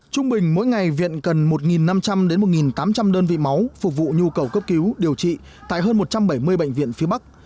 trung bình mỗi ngày viện cần một năm trăm linh đến một tám trăm linh đơn vị máu phục vụ nhu cầu cấp cứu điều trị tại hơn một trăm bảy mươi bệnh viện phía bắc